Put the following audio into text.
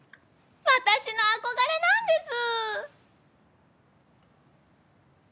私の憧れなんです！